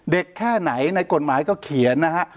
เด็กแค่ไหนในกฎหมายเขาเขียนนะฮะ